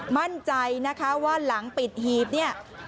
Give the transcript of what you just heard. มั่นใจนะคะว่าหลังปิดหีบเนี่ย